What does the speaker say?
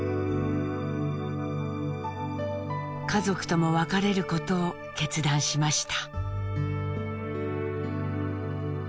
家族とも別れることを決断しました。